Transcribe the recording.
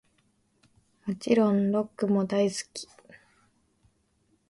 もちろんロックも大好き♡